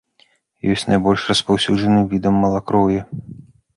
Ёсць найбольш распаўсюджаным відам малакроўя.